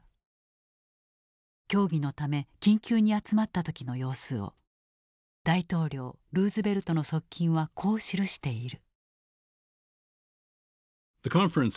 協議のため緊急に集まった時の様子を大統領ルーズベルトの側近はこう記している。